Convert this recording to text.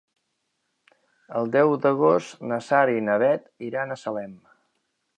El deu d'agost na Sara i na Bet iran a Salem.